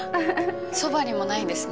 そばにもないんですね。